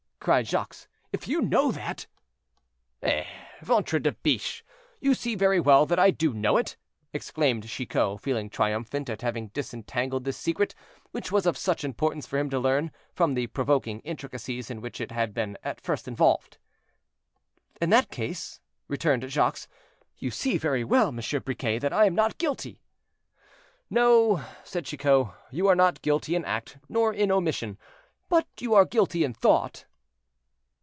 cried Jacques, "if you know that—" "Eh! ventre de biche! you see very well that I do know it," exclaimed Chicot, feeling triumphant at having disentangled this secret, which was of such importance for him to learn, from the provoking intricacies in which it had been at first involved. "In that case," returned Jacques, "you see very well, Monsieur Briquet, that I am not guilty." "No," said Chicot, "you are not guilty in act, nor in omission, but you are guilty in thought."